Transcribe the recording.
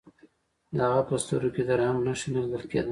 د هغه په سترګو کې د رحم نښه نه لیدل کېده